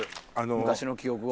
昔の記憶を。